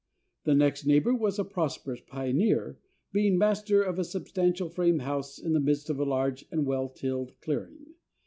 The next neighbor was a prosperous pioneer, being master of a substantial frame house in the midst of a large and well tilled clearing.